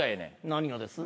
何がです？